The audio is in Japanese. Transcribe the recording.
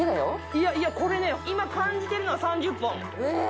いやいやこれね今感じてるのは３０本。え！